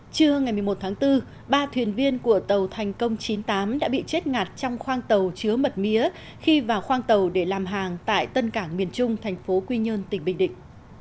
trưa ngày một mươi một tháng bốn ba thuyền viên của tàu thành công chín mươi tám đã bị chết ngạt trong khoang tàu chứa mật mía khi vào khoang tàu để làm hàng tại tân cảng miền trung thành phố quy nhơn tỉnh bình định